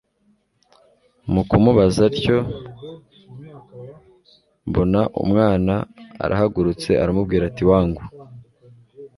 mukumubaza ntyo, mbona umwana arahagurutse arambwira ati wangu